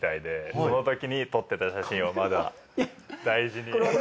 そのときに撮ってた写真をまだ大事に。